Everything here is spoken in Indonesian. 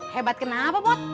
hebat kenapa pak